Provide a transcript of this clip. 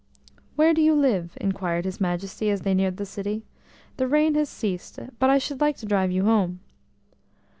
"Where do you live?" inquired his Majesty as they neared the city. "The rain has ceased, but I should like to drive you home."